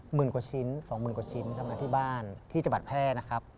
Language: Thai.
หมื่นกว่าชิ้นสองหมื่นกว่าชิ้นครับมาที่บ้านที่จังหวัดแพร่นะครับ